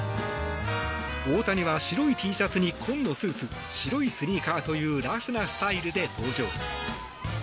大谷は白いＴシャツに紺のスーツ白いスニーカーというラフなスタイルで登場。